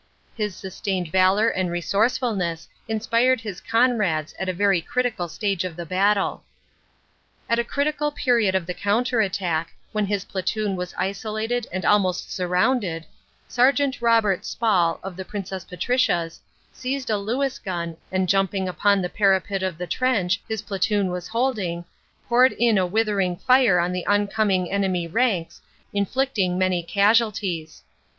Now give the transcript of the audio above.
His sustained valor and resourcefulness inspired his comrades at a very critical stage of the battle. At a critical period of the counter attack, when his platoon was isolated and almost surrounded, Sergt. Robert Spall, of the P. P.L.I., seized a Lewis gun and jumping upon the para pet of the trench his platoon was holding, poured in a wither ing fire on the oncoming enemy ranks, inflicting many casual ties.